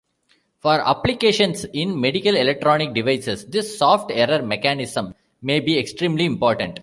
For applications in medical electronic devices this soft error mechanism may be extremely important.